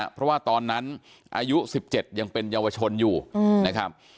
เพราะว่าตอนนั้นอายุ๑๗ยังเป็นเยาวชนอยู่นะครับ